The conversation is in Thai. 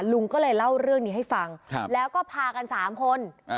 ลุงก็เลยเล่าเรื่องนี้ให้ฟังแล้วก็พากัน๓คน